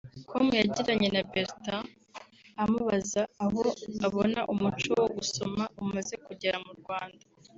com yagiranye na Bertin amubaza aho abona umuco wo gusoma umaze kugera mu Rwanda